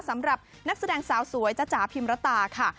สำหรับนักแสดงสาวสวยจ๊ะจ๋าพิมรตาค่ะ